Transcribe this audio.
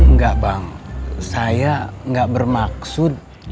enggak bang saya gak bermaksud